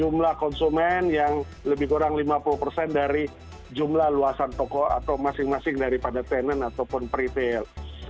jumlah konsumen yang lebih kurang lima puluh persen dari jumlah luasan toko atau masing masing daripada tenan ataupun peritel